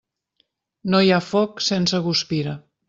No hi ha foc sense guspira.